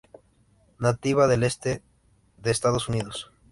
Nativa del este de Estados Unidos.